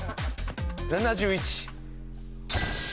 ７１。